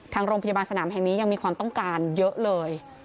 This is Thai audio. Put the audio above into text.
ทางโรงพยาบาลสนามแห่งนี้ยังมีความต้องการเยอะเลย